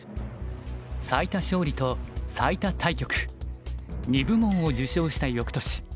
最多勝利と最多対局２部門を受賞した翌年。